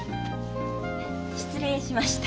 失礼しました。